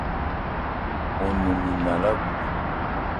One minal abui.